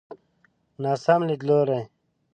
ناسم ليدلوری.